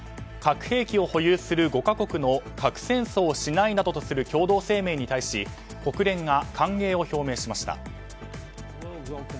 核兵器を保有する５か国の核戦争をしないなどとする共同声明に対し国連が歓迎を表明しました。